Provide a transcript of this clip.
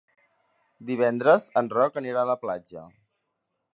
Divendres en Roc anirà a la platja.